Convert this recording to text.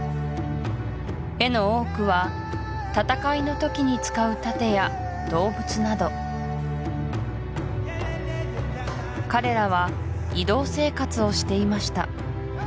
絵の多くは戦いの時に使う盾や動物など彼らは移動生活をしていました